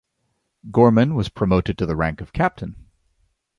Gorman was promoted to the rank of Captain.